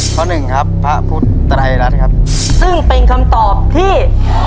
หนึ่งครับพระพุทธไทยรัฐครับซึ่งเป็นคำตอบที่